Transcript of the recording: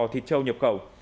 thịt trâu nhập khẩu